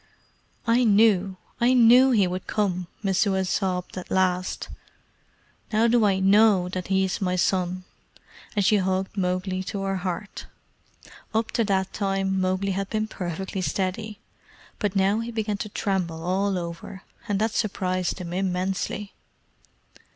"I knew I knew he would come," Messua sobbed at last. "Now do I KNOW that he is my son!" and she hugged Mowgli to her heart. Up to that time Mowgli had been perfectly steady, but now he began to tremble all over, and that surprised him immensely.